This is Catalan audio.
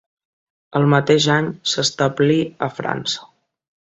El mateix any s'establí a França.